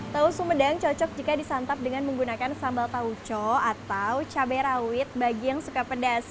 tahu sumedang cocok jika disantap dengan menggunakan sambal tauco atau cabai rawit bagi yang suka pedas